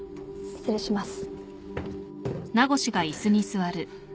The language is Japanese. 失礼します。